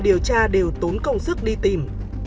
điều tra đều tốn công sức đi tìm